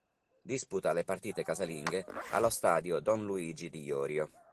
Disputa le partite casalinghe allo stadio Don Luigi di Iorio.